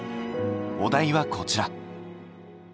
お題はこちら。